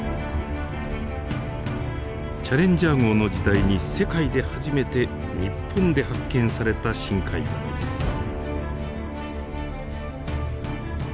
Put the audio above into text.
チャレンジャー号の時代に世界で初めて日本で発見された深海ザメです。